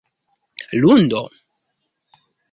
lundo